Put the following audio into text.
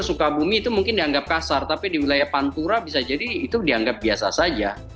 sukabumi itu mungkin dianggap kasar tapi di wilayah pantura bisa jadi itu dianggap biasa saja